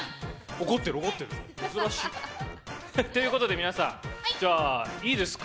怒ってる怒ってる珍しい。ということで皆さんじゃあいいですか？